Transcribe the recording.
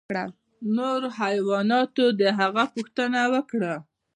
نورو حیواناتو د هغه پوښتنه وکړه.